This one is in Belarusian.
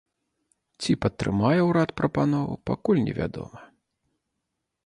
Ці патрымае ўрад прапанову, пакуль невядома.